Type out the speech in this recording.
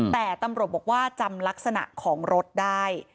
แต่ตำรวจบอกว่าจำลักษณะของรถได้